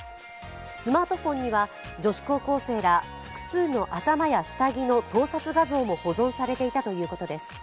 スマートフォンには女子高校生ら複数の頭や下着の盗撮画像も保存されていたということです。